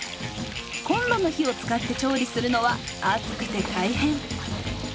コンロの火を使って調理するのは暑くて大変。